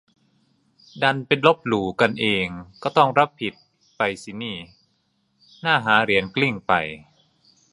ดันไปลบหลู่กันเอง ก็ต้องรับผิดไปสินี่ น่าหาเหรียญกลิ้งไป